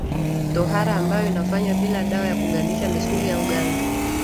Tohara ambayo inafanywa bila dawa ya kugandisha misuli au ganzi